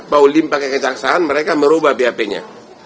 pauline pakai kejaksaan mereka merubah bap nya